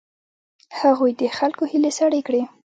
هغوی د خلکو هیلې سړې کړې.